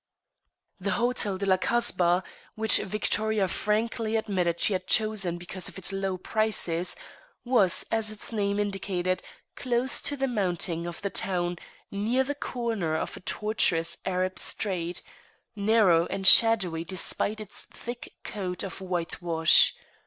The Hotel de la Kasbah, which Victoria frankly admitted she had chosen because of its low prices, was, as its name indicated, close to the mounting of the town, near the corner of a tortuous Arab street, narrow and shadowy despite its thick coat of whitewash.